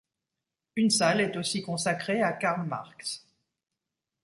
Une salle est aussi consacrée à Karl Marx.